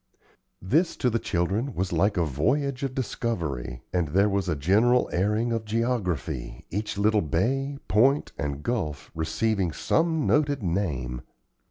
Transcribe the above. This, to the children, was like a voyage of discovery, and there was a general airing of geography, each little bay, point, and gulf receiving some noted name.